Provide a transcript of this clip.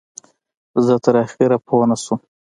زه تر اخره پوی نشوم.